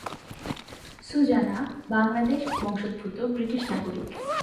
সুজানা বাংলাদেশ বংশোদ্ভূত ব্রিটিশ নাগরিক।